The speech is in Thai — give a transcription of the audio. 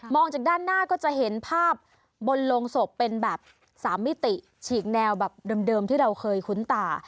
จากด้านหน้าก็จะเห็นภาพบนโรงศพเป็นแบบ๓มิติฉีกแนวแบบเดิมที่เราเคยคุ้นตา